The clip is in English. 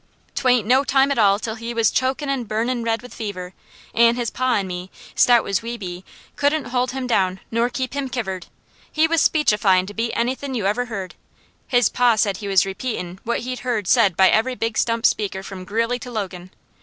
"'Twa'n't no time at all 'til he was chokin' an' burnin' red with fever, an' his pa and me, stout as we be, couldn't hold him down nor keep him kivered. He was speechifyin' to beat anythin' you ever heard. His pa said he was repeatin' what he'd heard said by every big stump speaker from Greeley to Logan.